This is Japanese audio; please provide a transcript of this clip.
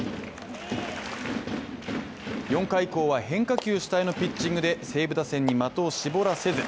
４回以降は変化球主体のピッチングで西武打線に的を絞らせず。